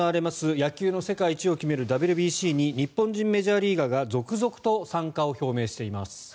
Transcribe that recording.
野球の世界一を決めるＷＢＣに日本人メジャーリーガーが続々と参加を表明しています。